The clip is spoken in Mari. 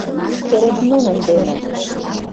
— Керек нунын дене!